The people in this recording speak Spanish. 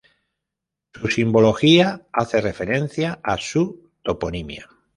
Su simbología hace referencia a su toponimia.